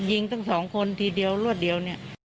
ก็ยิงตั้ง๒คนทีเดียวรวดเดียว